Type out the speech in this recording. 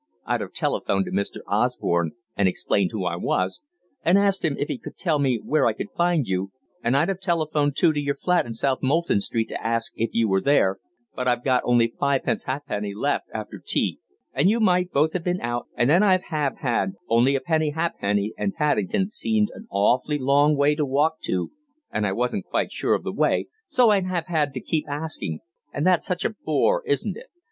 I'd have telephoned to Mr. Osborne and explained who I was and asked him if he could tell me where I could find you, and I'd have telephoned too to your flat in South Molton Street to ask if you were there, but I'd got only fivepence ha'penny left after tea, and you might both have been out and then I'd have had only a penny ha'penny and Paddington seemed an awfully long way to walk to, and I wasn't quite sure of the way, so I'd have had to keep asking, and that's such a bore, isn't it?